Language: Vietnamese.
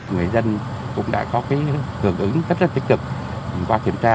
người dân cũng đã có hưởng ứng rất là tích cực qua kiểm tra